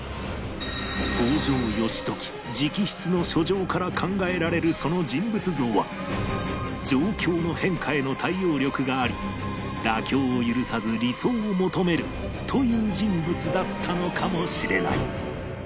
北条義時直筆の書状から考えられるその人物像は状況の変化への対応力があり妥協を許さず理想を求めるという人物だったのかもしれない